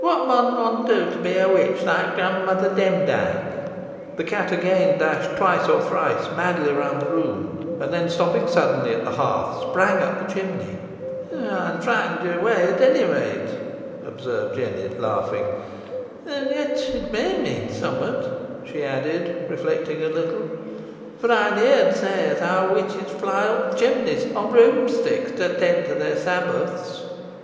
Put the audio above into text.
"Whot mun one do to be a witch like grandmother Demdike?" The cat again dashed twice or thrice madly round the room, and then stopping suddenly at the hearth, sprang up the chimney. "Ey'n frightened ye away ot onny rate," observed Jennet, laughing. "And yet it may mean summot," she added, reflecting a little, "fo ey'n heerd say os how witches fly up chimleys o' broomsticks to attend their sabbaths.